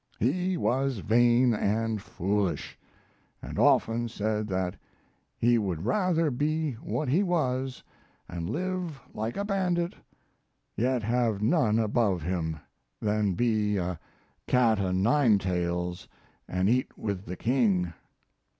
He was vain and foolish, and often said that he would rather be what he was, and live like a bandit, yet have none above him, than be a cat o' nine tails and eat with the king.